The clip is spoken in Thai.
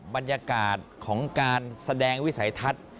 บรรยากาศของการแสดงวิสัยทัศน์